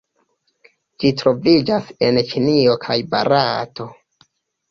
Ĝi troviĝas en Ĉinio kaj Barato.